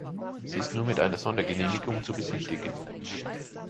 Sie ist nur mit einer Sondergenehmigung zu besichtigen.